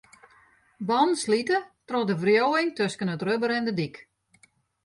Bannen slite troch de wriuwing tusken it rubber en de dyk.